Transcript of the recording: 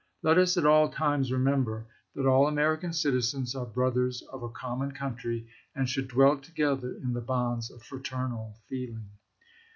Let us at all times remember that all American citizens are brothers of a common country, and should dwell together in the bonds of fraternal feeling.